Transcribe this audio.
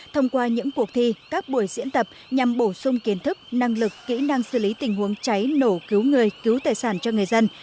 thông qua những cuộc thi các buổi diễn tập nhằm bổ sung kiến thức năng lực kỹ năng xử lý tình huống cháy nổ cứu người cứu tài sản cho người dân